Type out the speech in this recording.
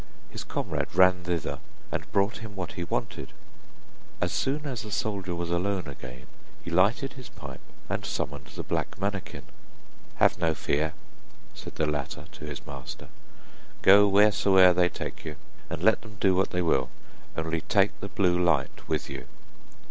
His comrade ran thither and brought him what he wanted. As soon as the soldier was alone again, he lighted his pipe and summoned the black manikin. 'Have no fear,' said the latter to his master. 'Go wheresoever they take you, and let them do what they will, only take the blue light with you.